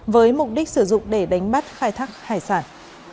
với mục đích sử dụng để đánh bắt khai thác hải sản